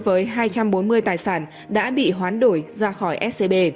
với hai trăm bốn mươi tài sản đã bị hoán đổi ra khỏi scb